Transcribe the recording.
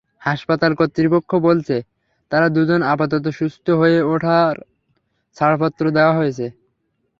হাসপাতাল কর্তৃপক্ষ বলছে, তাঁরা দুজন আপাতত সুস্থ হয়ে ওঠায় ছাড়পত্র দেওয়া হয়েছে।